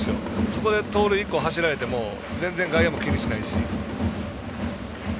そこで盗塁１個走られても全然外野も気にしないし。